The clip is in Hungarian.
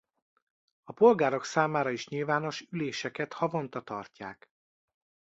A polgárok számára is nyilvános üléseket havonta tartják.